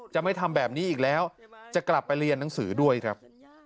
จะไม่ทำแบบนี้อีกแล้วจะกลับไปเรียนหนังสือด้วยครับ